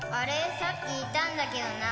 さっきいたんだけどなあ。